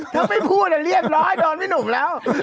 ถ้าไม่พูดเรียบร้อยโดนพี่หนุ่มแล้ว